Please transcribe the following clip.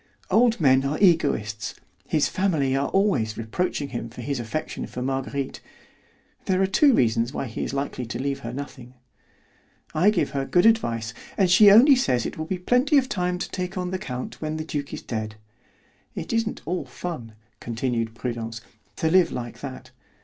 Old men are egoists; his family are always reproaching him for his affection for Marguerite; there are two reasons why he is likely to leave her nothing. I give her good advice, and she only says it will be plenty of time to take on the count when the duke is dead. It isn't all fun," continued Prudence, "to live like that.